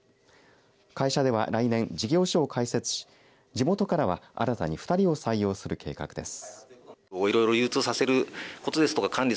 会社では来年、事業所を開設し地元からは新たに２人を採用する計画です。